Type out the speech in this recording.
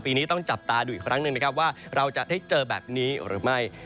นี้ต้องจับตาดูอีกครั้งหนึ่งนะครับว่าเราจะได้เจอแบบนี้หรือไม่